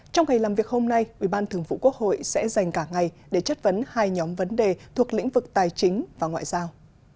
trong ngày làm việc hôm nay ủy ban thường vụ quốc hội sẽ dành cả ngày để chất vấn hai nhóm vấn đề thuộc lĩnh vực tài chính và ngoại giao